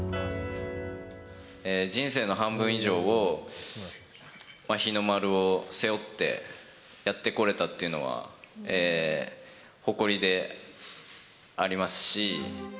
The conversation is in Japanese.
人生の半分以上を、日の丸を背負ってやってこれたっていうのは誇りでありますし。